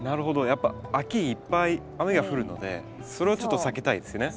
やっぱ秋いっぱい雨が降るのでそれはちょっと避けたいですね。